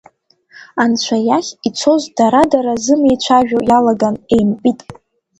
Анцәа иахь ицоз дара-дара зымеицәажәо иалаган, еимпит.